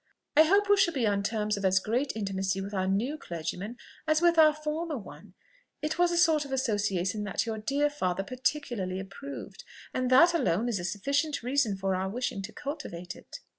I hope we shall be on terms of as great intimacy with our new Clergyman as with our former one: it was a sort of association that your dear father particularly approved, and that alone is a sufficient reason for our wishing to cultivate it."